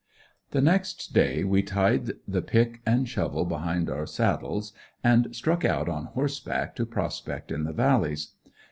The next day we tied the pick and shovel behind our saddles and struck out on horseback to prospect in the valleys.